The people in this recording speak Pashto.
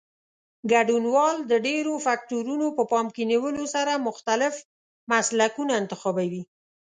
ګډونوال د ډېرو فکټورونو په پام کې نیولو سره مختلف مسلکونه انتخابوي.